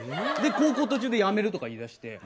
で高校途中でやめるとか言いだして。